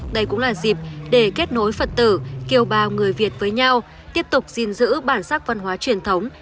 đây cũng là dịp để kết nối phật tử kiều bào người việt với nhau tiếp tục gìn giữ bản sắc văn hóa truyền thống